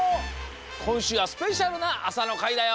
こんしゅうはスペシャルなあさのかいだよ！